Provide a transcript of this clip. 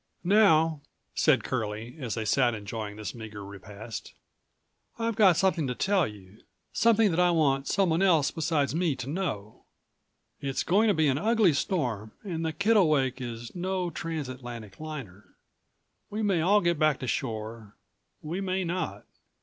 "Now," said Curlie as they sat enjoying this meager repast, "I've got something to tell you, something that I want someone else beside me to know. It's going to be an ugly storm and the Kittlewake is no trans Atlantic liner. We may all get back to shore. We may not.